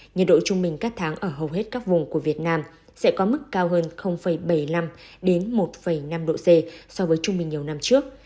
nhiệt độ trung bình các tháng ở hầu hết các vùng của việt nam sẽ có mức cao hơn bảy mươi năm một năm độ c so với trung bình nhiều năm trước